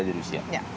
s tiga di rusia